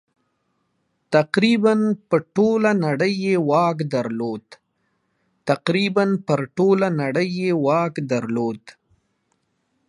تقریباً پر ټوله نړۍ یې واک درلود.